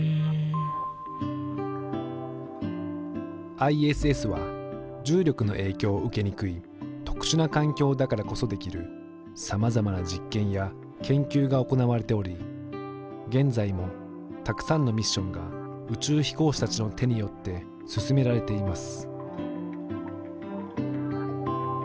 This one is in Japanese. ＩＳＳは重力の影響を受けにくい特殊な環境だからこそできるさまざまな実験や研究が行われており現在もたくさんのミッションが宇宙飛行士たちの手によって進められています。